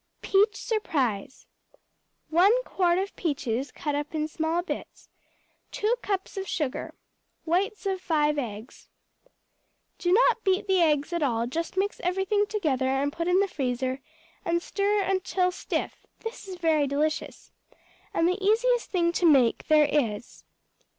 Peach Surprise 1 quart of peaches cut up in small bits. 2 cups of sugar. Whites of five eggs. Do not beat the eggs at all; just mix everything together and put in the freezer and stir till stiff; this is very delicious, and the easiest thing to make there is.